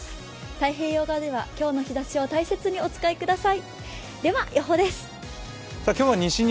太平洋側では今日の日差しを大切にお使いください。